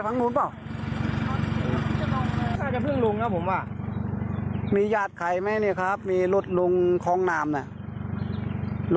ตะเบียนเนี่ยตะเบียนรถอ่ารอ